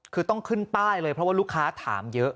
คือต้องขึ้นป้ายเลยเพราะว่าลูกค้าถามเยอะ